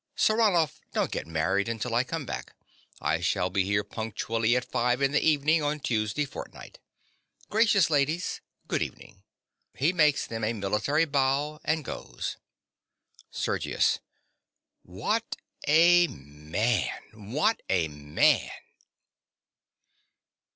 Saranoff: don't get married until I come back: I shall be here punctually at five in the evening on Tuesday fortnight. Gracious ladies—good evening. (He makes them a military bow, and goes.) SERGIUS. What a man! What a man!